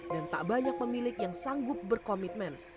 dan tak banyak pemilik yang sanggup berkomitmen